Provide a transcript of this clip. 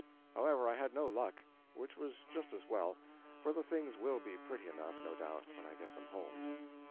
However, I had no luck; which was just as well, for the things will be pretty enough, no doubt, when I get them home.